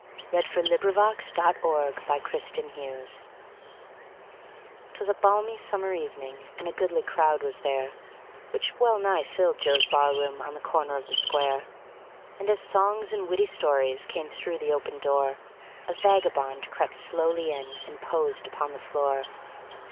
S T . U V . W X . Y Z The Face on the Barroom Floor 'TWAS a balmy summer evening, and a goodly crowd was there, Which well nigh filled Joe's barroom, on the corner of the square; And as songs and witty stories came through the open door, A vagabond crept slowly in and posed upon the floor.